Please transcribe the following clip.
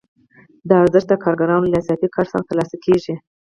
دا ارزښت د کارګرانو له اضافي کار څخه ترلاسه کېږي